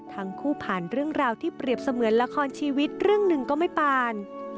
ผ่านเรื่องราวที่เปรียบเสมือนละครชีวิตเรื่องหนึ่งก็ไม่ปาน